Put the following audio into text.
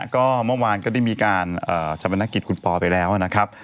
ก็เมื่อวานก็ได้มีการชะบรรณกิจคุณปอไปแล้วนะครับ